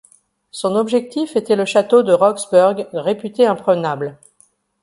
Son objectif était le château de Roxburgh, réputé imprenable.